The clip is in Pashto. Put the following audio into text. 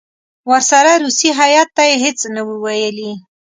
ورسره روسي هیات ته یې هېڅ نه وو ویلي.